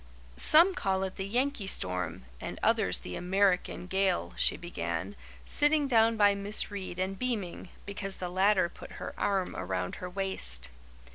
"Some call it the 'Yankee Storm,' and others the 'American Gale,'" she began, sitting down by Miss Reade and beaming, because the latter put her arm around her waist.